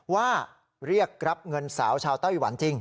ว่าเรียกรับเงินสาวชาวไต้หวันจริง